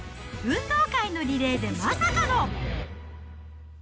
運動会のリレーでまさかの？